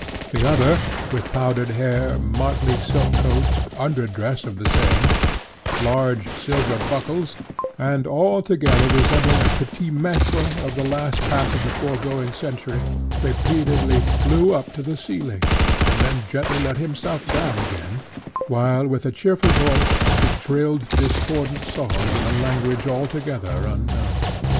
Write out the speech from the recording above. The other, with powdered hair, motly silk coat, under dress of the same, large silver buckles, and altogether resembling a petit maitre of the last half of the foregoing century, repeatedly flew up to the ceiling, and then gently let himself down again, while, with a cheerful voice, he trilled discordant songs in a language altogether unknown.